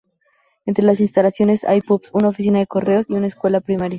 Entre las instalaciones hay pubs, una oficina de correos y una escuela primaria.